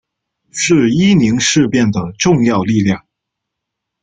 是伊宁事变的重要力量。